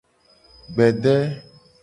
Gbede.